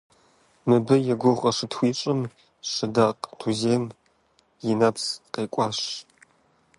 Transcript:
Мыбы и гугъу къыщытхуищӏым, Шыдакъ Тузем и нэпс къекӏуащ.